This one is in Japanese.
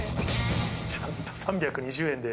ちゃんと３２０円で。